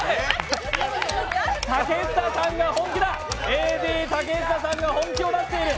ＡＤ竹下さんが本気を出している。